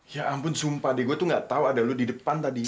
ya ampun sumpah deh gue tuh nggak tahu ada lo di depan tadi